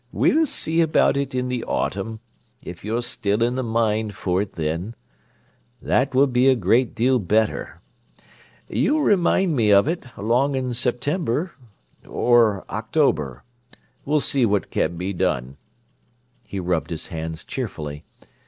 "We'll see about it in the autumn, if you're still in the mind for it then. That will be a great deal better. You remind me of it, along in September—or October. We'll see what can be done." He rubbed his hands cheerfully.